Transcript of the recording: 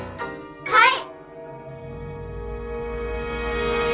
はい！